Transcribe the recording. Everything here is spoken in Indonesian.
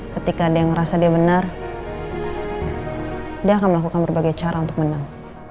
ketika dia merasa dia benar dia akan melakukan berbagai cara untuk menang